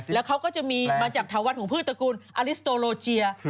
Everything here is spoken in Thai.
แล้วเขาก็จะมีมาจากแถววัดของพืชตระกูลอลิสโตโลเจีย